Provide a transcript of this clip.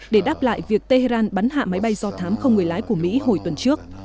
để đáp lại việc tehran bắn hạ máy bay do thám không người lái của mỹ hồi tuần trước